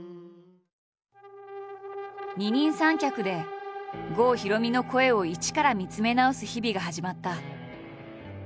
二人三脚で郷ひろみの声を一から見つめ直す日々が始まった。